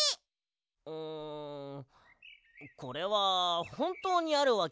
うんこれはほんとうにあるわけじゃなくて。